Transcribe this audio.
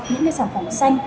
những cái sản phẩm xanh